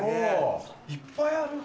いっぱいある。